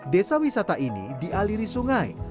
desa wisata ini dialiri sungai